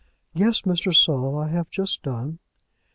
"Yes, Mr. Saul, I have just done."